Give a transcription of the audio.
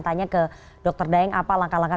tanya ke dokter daeng apa langkah langkah